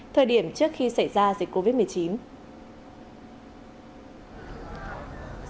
thời điểm trước khi xảy ra dịch covid một mươi chín